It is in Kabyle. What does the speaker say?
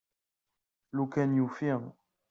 Lukan yufi.